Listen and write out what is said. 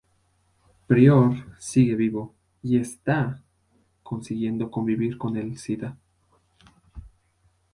Prior sigue vivo y está consiguiendo convivir con el sida.